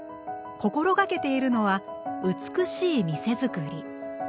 心がけているのは美しい店づくり。